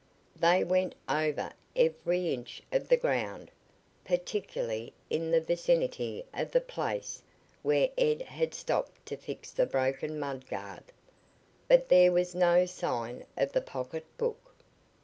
They went over every inch of the ground, particularly in the vicinity of the place where Ed had stopped to fix the broken mud guard. But there was no sign of the pocketbook.